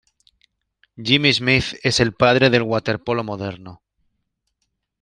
Jimmy Smith, es el padre del waterpolo moderno.